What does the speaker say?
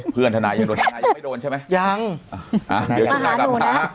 เพื่อนธนายยังโดนธนายยังไม่โดนใช่ไหมยังหาหนูนะ